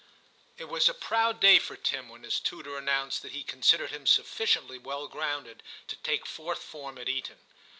It was a proud day for Tim when his tutor announced that he considered him sufficiently well grounded to take Fourth Form at Eton.